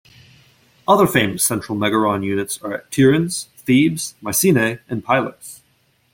Other famous central megaron units are at Tiryns, Thebes, Mycenae, and Pylos.